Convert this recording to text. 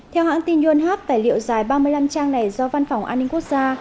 theo hãng tin yonhap tài liệu dài ba mươi năm trang này do văn phòng an ninh quốc gia